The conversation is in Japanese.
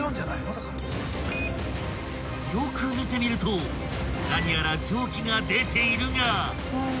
［よく見てみると何やら蒸気が出ているが］